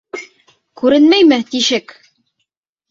Күренмәйме тишек?